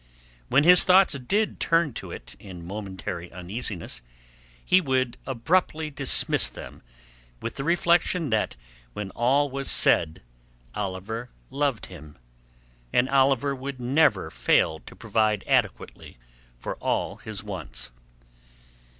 When his thoughts did turn to it in momentary uneasiness, he would abruptly dismiss them with the reflection that when all was said Oliver loved him, and Oliver would never fail to provide adequately for all his wants.